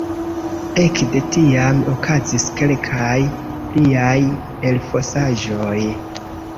Ekde tiam okazis kelkaj pliaj elfosaĵoj.